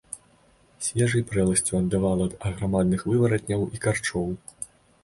Свежай прэласцю аддавала ад аграмадных вываратняў і карчоў.